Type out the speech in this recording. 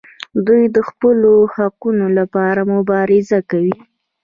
دوی د خپلو حقونو لپاره مبارزه کوي.